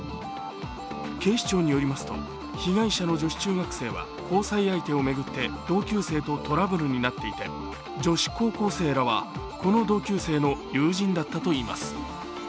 警視庁によりますと、被害者の女子中学生は交際相手を巡って同級生とトラブルになっていて女子高校生らは、この同級生の友人だったといいます。